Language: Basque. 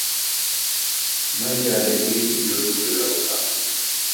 Mahaiarekin jo du belauna